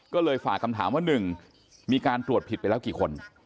ก็เลยฝากคำถามว่า๑มีการตรวจผิดไปแล้วกี่คน